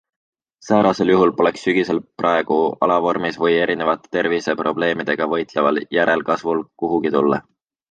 Säärasel juhul poleks sügisel praegu alavormis või erinevate terviseprobleemidega võitleval järelkasvul kuhugi tulla.